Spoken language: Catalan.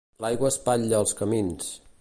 L'aigua espatlla els camins.